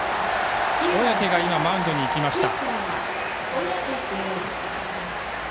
小宅が今、マウンドに行きました。